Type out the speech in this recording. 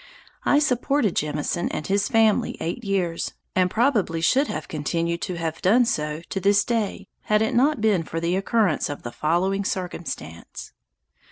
I supported Jemison and his family eight years, and probably should have continued to have done so to this day, had it not been for the occurrence of the following circumstance.